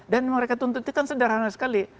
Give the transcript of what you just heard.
dan mereka tuntut itu kan sederhana sekali